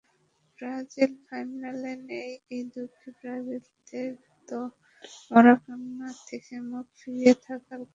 Brazil ফাইনালে নেই—এই দুঃখে ব্রাজিলিয়ানদের তো মারাকানা থেকে মুখ ফিরিয়ে থাকার কথা।